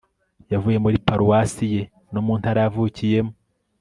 yavuye muri paruwasi ye no mu ntara yavukiyemo